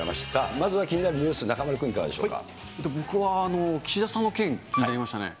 まずは気になるニュース、僕は岸田さんの件、気になりましたね。